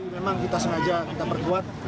memang kita sengaja kita perkuat